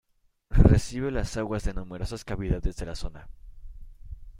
Recibe las aguas de numerosas cavidades de la zona.